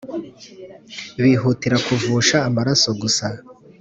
bihutira kuvusha amarasogusa